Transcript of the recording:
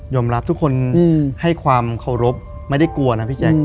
รับทุกคนให้ความเคารพไม่ได้กลัวนะพี่แจ๊ค